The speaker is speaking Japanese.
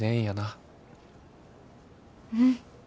うん。